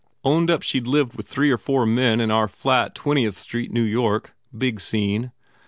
Owned up she d lived with three or four men in our flat twen tieth Street, New York. Big scene.